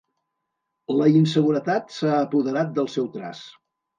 La inseguretat s'ha apoderat del seu traç.